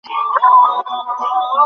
তবু দিনুর ভয় কমল না।